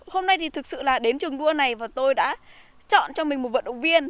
hôm nay thì thực sự là đến trường đua này và tôi đã chọn cho mình một vận động viên